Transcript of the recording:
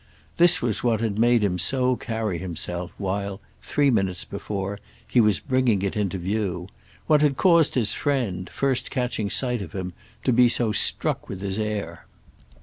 This was what had made him so carry himself while, three minutes before, he was bringing it into view; what had caused his friend, first catching sight of him, to be so struck with his air.